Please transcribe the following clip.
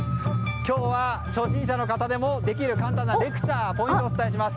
今日は、初心者の方でもできる簡単なレクチャーポイントをお伝えします。